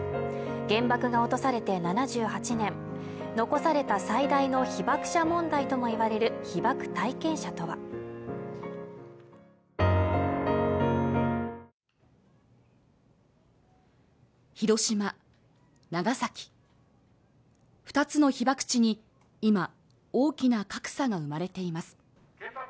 原爆が落とされて７８年残された最大の被爆者問題ともいわれる被爆体験者とは広島、長崎２つの被爆地に今大きな格差が生まれています